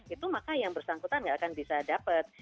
itu maka yang bersangkutan nggak akan bisa dapat